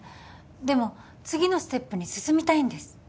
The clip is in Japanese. でも次のステップに進みたいんです